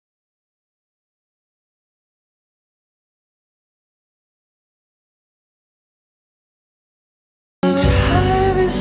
saya jadi super keras